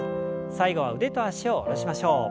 最後は腕と脚を下ろしましょう。